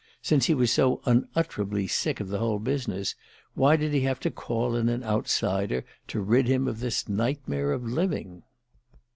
Since he was so unutterably sick of the whole business, why did he have to call in an outsider to rid him of this nightmare of living?